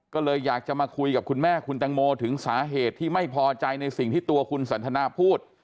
ก็เลยอยากจะมาคุยกับคุณแม่คุณตังโมถึงสาเหตุที่ไม่พอใจในสิ่งที่ตัวคุณสันทนาพูด